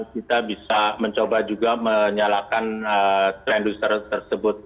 kita bisa mencoba juga menyalakan trend booster tersebut